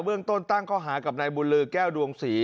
เรื่องต้นตั้งข้อหากับนายบุญลือแก้วดวงศรี